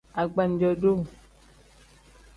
Agbanjo-duu.